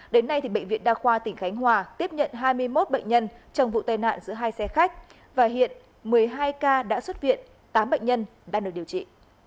đến nay bệnh viện đa khoa tỉnh khánh hòa tiếp nhận hai mươi một bệnh nhân trong vụ tai nạn giữa hai xe khách và hiện một mươi hai ca đã xuất viện tám bệnh nhân đang được điều trị